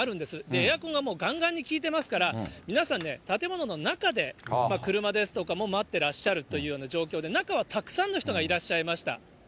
エアコンがもうがんがんに効いてますから、皆さんね、建物の中で車ですとかも待っていらっしゃるという状況で、中はたくさんの人がいらっしゃいました。